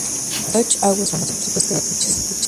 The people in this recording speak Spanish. Loch Awe es famoso por su pesca de truchas.